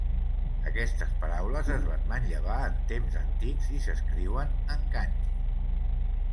Aquestes paraules es van manllevar en temps antics i s'escriuen en kanji.